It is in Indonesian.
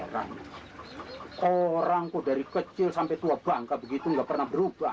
hai heran orangku dari kecil sampai tua bangka begitu enggak pernah berubah